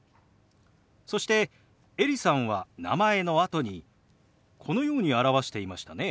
そしてエリさんは名前のあとにこのように表していましたね。